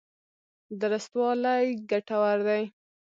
درستوالی ګټور دی.